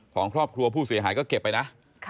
ของครอบครัวผู้เสียหายก็เก็บไปนะ